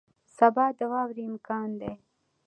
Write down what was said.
سبا د واورې امکان دی